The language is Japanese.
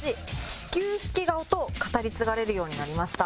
“始球式顔”と語り継がれるようになりました」